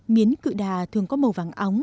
miến cự đà thường có màu vàng ỏng